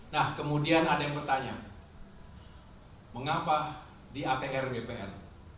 nah kemudian ada yang bertanya mengapa di atr bpn